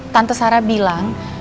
tante sarah bilang